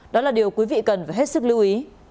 đó là điều quý vị cần phải hết sức lưu ý